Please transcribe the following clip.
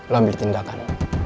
lu ambil tindakan